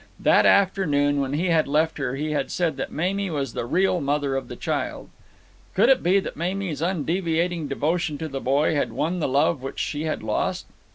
That afternoon when he had left her he had said that Mamie was the real mother of the child. Could it be that Mamie's undeviating devotion to the boy had won the love which she had lost?